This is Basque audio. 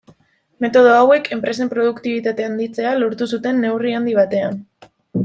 Metodo hauek, enpresen produktibitate handitzea lortu zuten neurri handi batean.